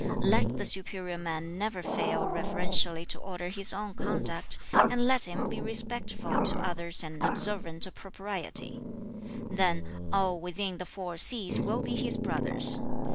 4. 'Let the superior man never fail reverentially to order his own conduct, and let him be respectful to others and observant of propriety: then all within the four seas will be his brothers.